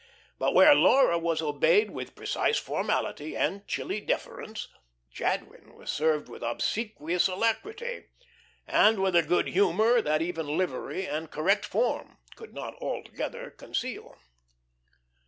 But where Laura was obeyed with precise formality and chilly deference, Jadwin was served with obsequious alacrity, and with a good humour that even livery and "correct form" could not altogether conceal.